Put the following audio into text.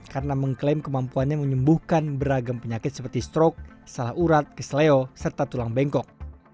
karena mengklaim kemampuannya menyembuhkan beragam penyakit seperti stroke salah urat kesleo serta tulang bengkok